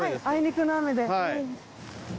あいにくの雨で。